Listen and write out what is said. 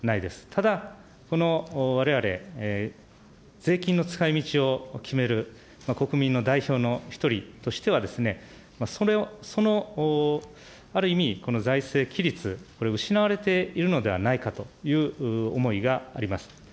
ただ、このわれわれ、税金の使いみちを決める、国民の代表の１人としては、そのある意味、その財政規律、これ、失われているのではないかという思いがあります。